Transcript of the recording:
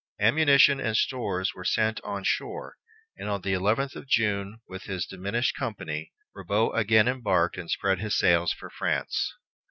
Ammunition and stores were sent on shore, and on the eleventh of June, with his diminished company, Ribaut again embarked and spread his sails for France.